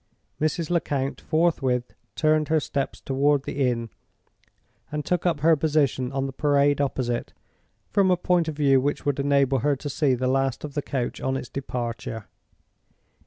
Mrs. Lecount forthwith turned her steps toward the inn, and took up her position on the Parade opposite from a point of view which would enable her to see the last of the coach on its departure.